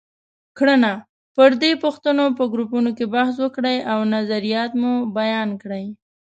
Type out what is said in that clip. کړنه: پر دې پوښتنو په ګروپونو کې بحث وکړئ او نظریات مو بیان کړئ.